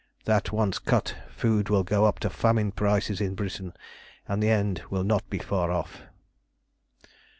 That once cut, food will go up to famine prices in Britain, and the end will not be far off."